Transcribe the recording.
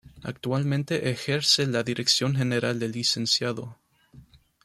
Actualmente ejerce la dirección general el Lic.